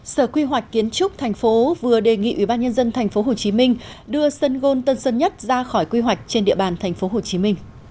sở quy hoạch kiến trúc tp vừa đề nghị ubnd tp hcm đưa sân gôn tân sơn nhất ra khỏi quy hoạch trên địa bàn tp hcm